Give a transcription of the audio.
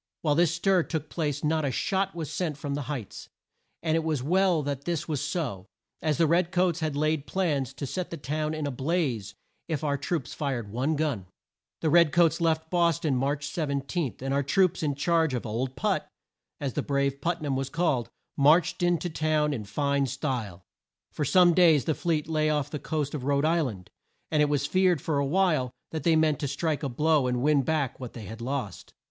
While this stir took place not a shot was sent from the Heights, and it was well that this was so, as the red coats had laid plans to set the town in a blaze if our troops fired one gun. The red coats left Bos ton March 17, and our troops, in charge of "Old Put" as the brave Put nam was called marched in to town in fine style. For some days the fleet lay off the coast of Rhode Isl and, and it was feared for a while that they meant to strike a blow and win back what they had lost.